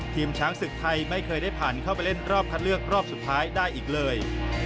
ช้างศึกไทยไม่เคยได้ผ่านเข้าไปเล่นรอบคัดเลือกรอบสุดท้ายได้อีกเลย